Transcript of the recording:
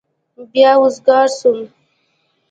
بيا وزگار سوم.